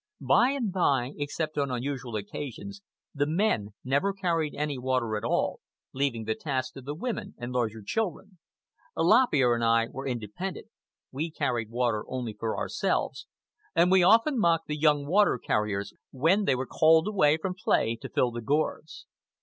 By and by, except on unusual occasions, the men never carried any water at all, leaving the task to the women and larger children. Lop Ear and I were independent. We carried water only for ourselves, and we often mocked the young water carriers when they were called away from play to fill the gourds.